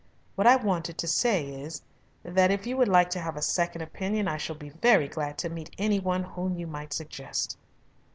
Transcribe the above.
What I wanted to say is that if you would like to have a second opinion I shall be very glad to meet anyone whom you might suggest."